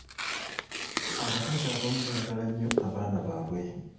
Abakazi abamu baagala nnyo abaana baabwe.